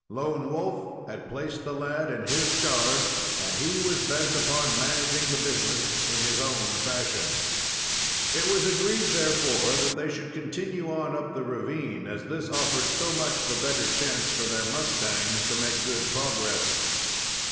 Lone Wolf had placed the lad in his charge, and he was bent upon managing the business in his own fashion. It was agreed, therefore, that they should continue on up the ravine, as this offered so much the better chance for their mustangs to make good progress.